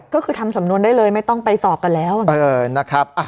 ก็คือทำสำนวนได้เลยไม่ต้องไปสอบกันแล้วนะครับ